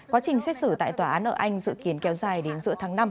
quá trình xét xử tại tòa án ở anh dự kiến kéo dài đến giữa tháng năm